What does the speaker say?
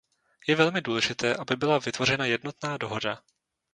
Je velmi důležité, aby byla vytvořena jednotná dohoda.